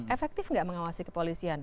efektif tidak mengawasi kepolisian